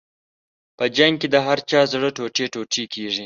په جنګ کې د هر چا زړه ټوټې ټوټې کېږي.